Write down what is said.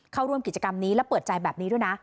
เข้าร่วมกิจกรรมนี้และเปิดใจแบบนี้ด้วยนะ